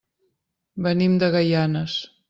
Venim de Gaianes.